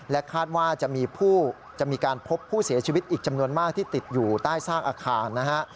คาดว่าจะมีการพบผู้เสียชีวิตอีกจำนวนมากที่ติดอยู่ใต้ซากอาคารนะฮะ